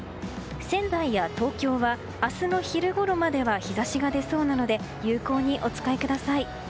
仙台や東京は明日の昼ごろまでは日差しが出そうなので有効にお使いください。